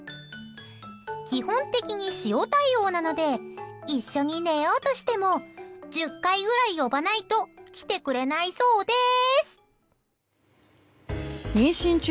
基本的に塩対応なので一緒に寝ようとしても１０回ぐらい呼ばないと来てくれないそうです。